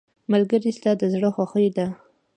ملګری ستا د زړه خوښي ده.